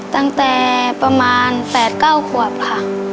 ตั้งแต่ประมาณ๘๙ขวบค่ะ